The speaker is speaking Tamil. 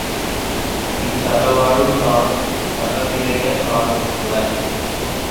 இது சகவாழ்வுக் காலம், சகவிரயக் காலமும் கூட.